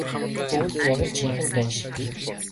Бүгд яг л жинхэнэ дайн шиг.